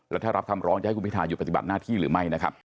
แล้วถ้ารับคำร้องจะให้คุณพิทาอยู่ปฏิบัติหน้าที่หรือไม่